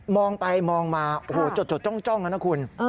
องไปมองมาโอ้โหจดจ้องนะคุณ